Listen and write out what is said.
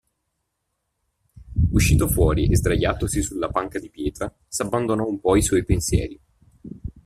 Uscito fuori e sdraiatosi sulla panca di pietra, s'abbandonò un po' ai suoi pensieri.